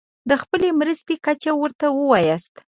د خپلې مرستې کچه ورته ووایاست.